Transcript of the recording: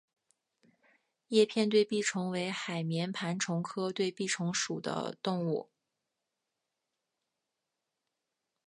叶片对臂虫为海绵盘虫科对臂虫属的动物。